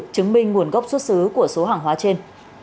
chứng minh nguồn gốc xuất xứ của số hàng hóa trên